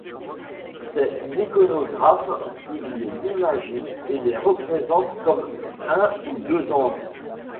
C'est l'iconographe qui les imagine et les représente comme un ou deux anges.